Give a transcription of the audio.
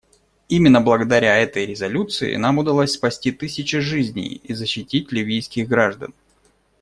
Именно благодаря этой резолюции нам удалось спасти тысячи жизней и защитить ливийских граждан.